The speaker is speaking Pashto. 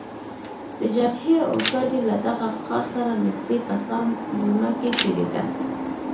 د جبهې اورګاډی له دغه ښار سره نږدې په سان ډونا کې تیریده.